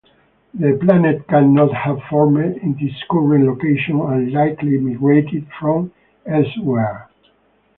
The planet cannot have formed in its current location and likely migrated from elsewhere.